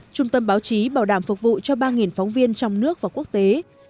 trung tâm báo chí bảo đảm phục vụ cho ba phóng viên trong nước và quốc tế